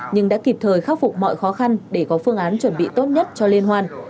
nhưng đã kịp thời khắc phục mọi khó khăn để có phương án chuẩn bị tốt nhất cho liên hoan